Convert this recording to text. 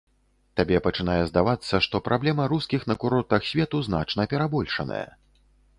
Табе пачынае здавацца, што праблема рускіх на курортах свету значна перабольшаная.